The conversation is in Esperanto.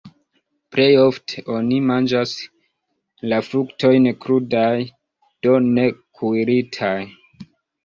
Plej ofte oni manĝas la fruktojn krudaj, do ne kuiritaj.